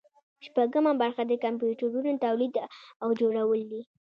شپږمه برخه د کمپیوټرونو تولید او جوړول دي.